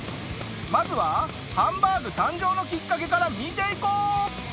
まずはハンバーグ誕生のきっかけから見ていこう！